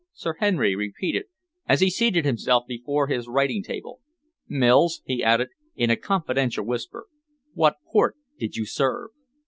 Sir Henry repeated, as he seated himself before his writing table. "Mills," he added, in a confidential whisper, "what port did you serve?"